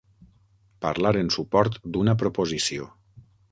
Parlar en suport d'una proposició.